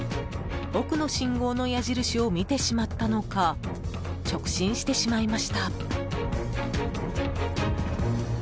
奥の信号の矢印を見てしまったのか直進してしまいました。